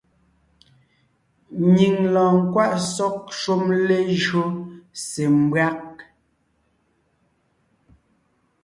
Nyìŋ lɔɔn nkwaʼ sɔ́g shúm lejÿó se mbÿág.